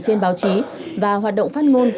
trên báo chí và hoạt động phát ngôn